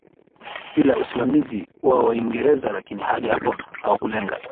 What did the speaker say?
bila usimamizi wa Waingereza Lakini hadi hapo hawakulenga